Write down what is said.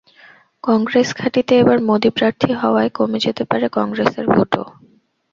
কংগ্রেস ঘাঁটিতে এবার মোদি প্রার্থী হাওয়ায় কমে যেতে পারে কংগ্রেসের ভোটও।